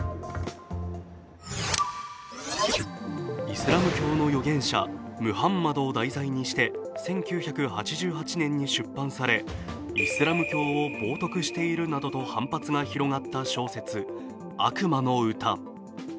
イスラム教の預言者、ムハンマドを題材にして１９８８年に出版され、イスラム教を冒涜しているなどと反発が広がった小説「悪魔の詩」。